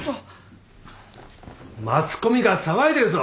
マスコミが騒いでるぞ。